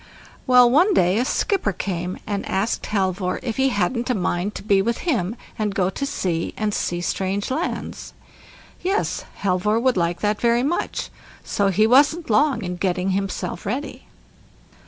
Well, one day a skipper came, and asked Halvor if he hadn't a mind to be with him, and go to sea, and see strange lands. Yes, Halvor would like that very much; so he wasn't long in getting himself ready.